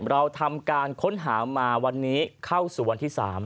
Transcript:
เราทำการค้นหามาวันนี้เข้าสู่วันที่๓